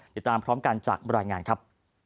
ติดตามพร้อมกันจากบรรยายงานครับ